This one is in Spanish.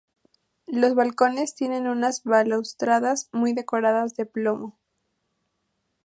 Los balcones tienen unas balaustradas muy decoradas de plomo.